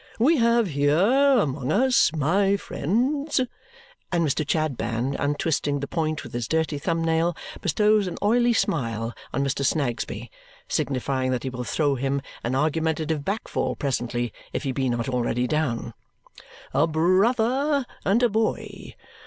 We have here among us, my friends," and Mr. Chadband, untwisting the point with his dirty thumb nail, bestows an oily smile on Mr. Snagsby, signifying that he will throw him an argumentative back fall presently if he be not already down, "a brother and a boy.